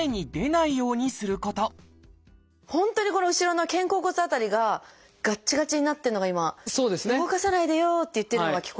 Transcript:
本当にこの後ろの肩甲骨辺りががっちがちになってるのが今「動かさないでよ」って言ってるのが聞こえます。